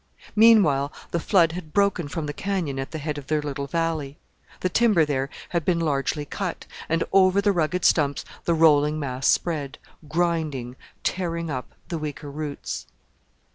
Meanwhile, the flood had broken from the canyon at the head of their little valley. The timber there had been largely cut, and over the rugged stumps the rolling mass spread, grinding, tearing up the weaker roots.